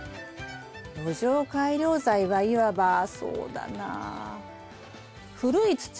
土壌改良材はいわばそうだなあ